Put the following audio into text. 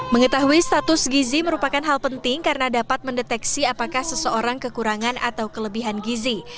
mengetahui status gizi merupakan hal penting karena dapat mendeteksi apakah seseorang kekurangan atau kelebihan gizi